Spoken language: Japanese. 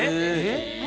えっ。